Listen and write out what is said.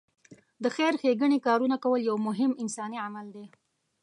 د خېر ښېګڼې کارونه کول یو مهم انساني عمل دی.